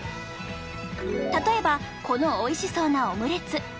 例えばこのおいしそうなオムレツ。